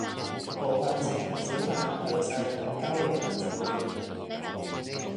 部分持牌小販去世或交回牌照